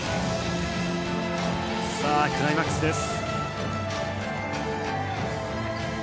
クライマックスです。